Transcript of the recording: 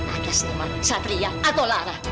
atas nama satria atau lara